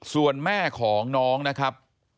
ส่วนแม่ของน้องนะครับ